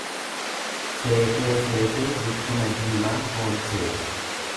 Seetee seetee guchuma diimaa foon seete.